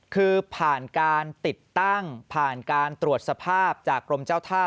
คือผ่านการติดตั้งผ่านการตรวจสภาพจากกรมเจ้าท่า